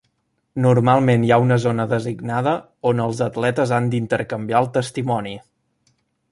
Normalment hi ha una zona designada on els atletes han d'intercanviar el testimoni.